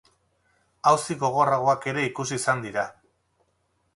Auzi gogorragoak ere ikusi izan dira.